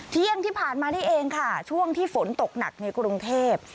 เที่ยงที่ผ่านมานี่เองค่ะช่วงที่ฝนตกหนักในกรุงเทพ